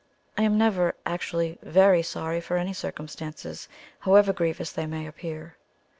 I am never actually VERY sorry for any circumstances, however grievous they may appear."